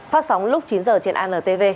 phát sóng lúc chín h trên anntv